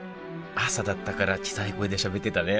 朝だったから小さい声でしゃべってたね